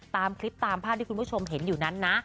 ตามคลิปตามภาพที่คุณผู้ชมเห็นอยู่นั้นนะ